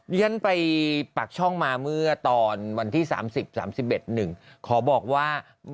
ฉันไปปากช่องมาเมื่อตอนวันที่๓๐๓๑๑ขอบอกว่า